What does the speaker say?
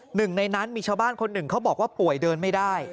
หนึ่งในนั้นมีชาวบ้านคนหนึ่งเขาบอกว่าป่วยเดินไม่ได้